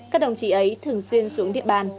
các đồng chí ấy thường xuyên xuống địa bàn